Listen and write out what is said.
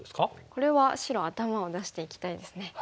これは白頭を出していきたいですね。